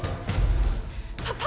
パパ！